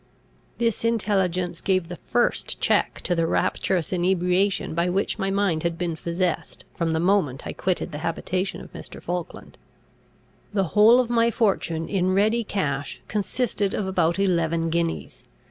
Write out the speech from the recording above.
This intelligence gave the first check to the rapturous inebriation by which my mind had been possessed from the moment I quitted the habitation of Mr. Falkland. The whole of my fortune in ready cash consisted of about eleven guineas.